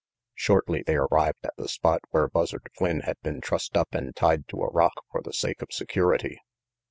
Shortly they arrived at the spot where Buzzard Flynn had been trussed up and tied to a rock for the sake of security.